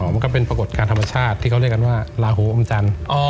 มันก็เป็นปรากฏการณ์ธรรมชาติที่เขาเรียกกันว่าลาหูอมจันทร์